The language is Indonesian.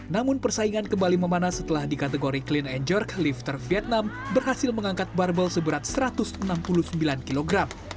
namun persaingan kembali memanas setelah di kategori clean and george lifter vietnam berhasil mengangkat barbel seberat satu ratus enam puluh sembilan kg